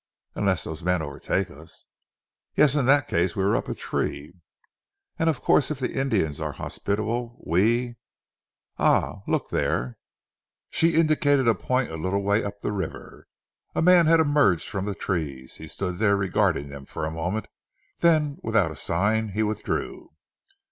"Unless those men overtake us!" "Yes! In that case we are up a tree." "And of course if the Indians are hospitable we Ah! Look there?" She indicated a point a little way up the river. A man had emerged from the trees. He stood there regarding them for a moment, then without a sign he withdrew.